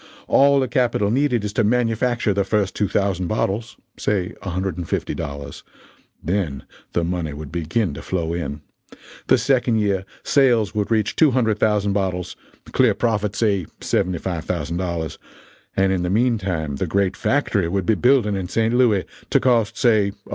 All the capital needed is to manufacture the first two thousand bottles say a hundred and fifty dollars then the money would begin to flow in. The second year, sales would reach 200,000 bottles clear profit, say, $75,000 and in the meantime the great factory would be building in St. Louis, to cost, say, $100,000.